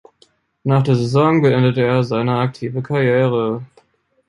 Nach der Saison beendete er seine aktive Karriere.